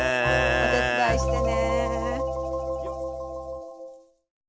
お手伝いしてね！